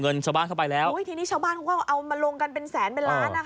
ทีนี้ชาวบ้านเขาก็เอามาลงกันเป็นแสนเป็นล้าน